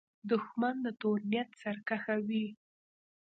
دښمن د تور نیت سرکښه وي